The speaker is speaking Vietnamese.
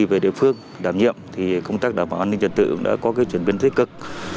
về địa phương đảm nhiệm thì công tác đảm bảo an ninh trật tự cũng đã có chuyển biến thế cực